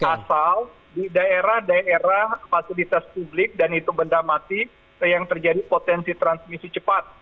asal di daerah daerah fasilitas publik dan itu benda mati yang terjadi potensi transmisi cepat